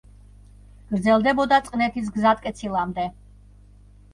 გრძელდებოდა წყნეთის გზატკეცილამდე.